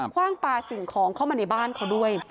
ว่างปลาสิ่งของเข้ามาในบ้านเขาด้วย